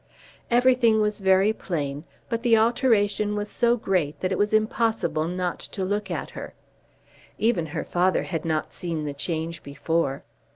Everything was very plain, but the alteration was so great that it was impossible not to look at her. Even her father had not seen the change before.